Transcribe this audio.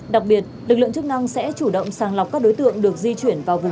đặc biệt lực lượng chức năng sẽ chủ động sàng lọc các đối tượng được di chuyển vào vùng